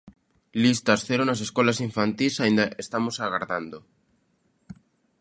Listas cero nas escolas infantís; aínda estamos agardando.